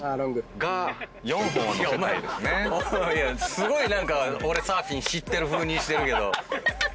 すごい何か俺サーフィン知ってるふうにしてるけど。